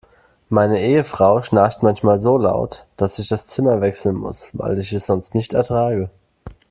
Meine Ehefrau schnarcht manchmal so laut, dass ich das Zimmer wechseln muss, weil ich es sonst nicht ertrage.